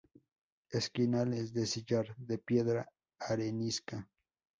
Esquinales de sillar de piedra arenisca.